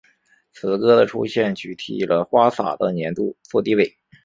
此歌的出现取替了花洒的年度作地位。